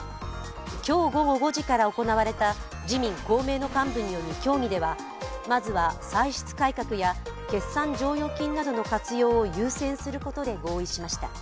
今日午後５時から行われた自民・公明の幹部による協議では、まずは歳出改革や決算剰余金などの活用を優先することで合意しました。